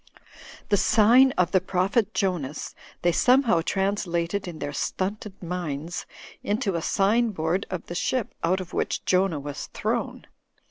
The 'sign of the Prophet Jonas/ they somehow translated in their stunted minds into a sign board of the ship out of which Jonah was thrown.